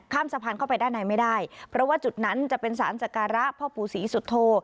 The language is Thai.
สะพานเข้าไปด้านในไม่ได้เพราะว่าจุดนั้นจะเป็นสารสการะพ่อปู่ศรีสุโธ